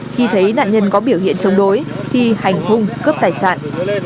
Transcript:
khi thấy nạn nhân có biểu hiện chống đối thì hành hung cướp tài sản